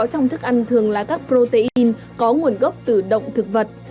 trong thức ăn thường là các protein có nguồn gốc từ động thực vật